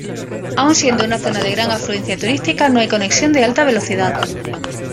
Aun siendo una zona de gran afluencia turística, no hay conexión de alta velocidad.